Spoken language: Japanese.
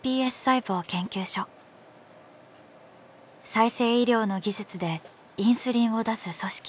再生医療の技術でインスリンを出す組織